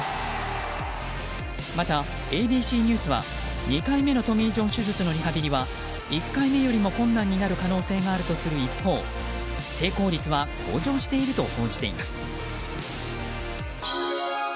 また、ＡＢＣニュースは２回目のトミー・ジョン手術のリハビリは１回目よりも困難になる可能性があるとする一方成功率は向上していると報じています。